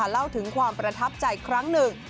เล่าถึงความประทับใจครั้งหนึ่ง